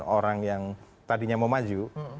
orang yang tadinya mau maju